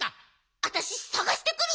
わたしさがしてくる！